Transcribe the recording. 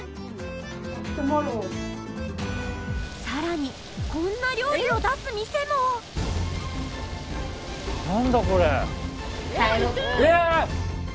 さらにこんな料理を出す店もええっ！